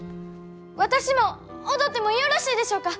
私も踊ってもよろしいでしょうか！